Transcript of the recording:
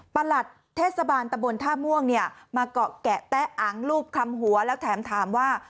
หลัดเทศบาลตะบนท่าม่วงเนี่ยมาเกาะแกะแต๊ะอังรูปคำหัวแล้วแถมถามว่า